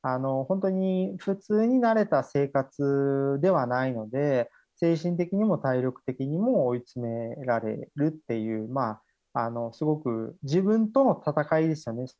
本当に、普通に慣れた生活ではないので、精神的にも体力的にも追い詰められるっていう、すごく、自分との闘いですよね。